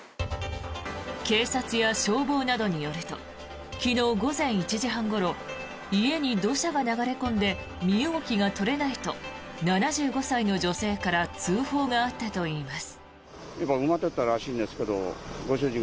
警察や消防などによると昨日午前１時半ごろ家に土砂が流れ込んで身動きが取れないと７５歳の女性から通報があったといいます。